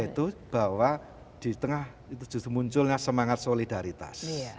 yaitu bahwa di tengah itu munculnya semangat solidaritas